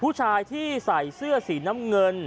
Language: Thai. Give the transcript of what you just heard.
ผู้ชายที่ใส่เสื้อสีน้ำเงิน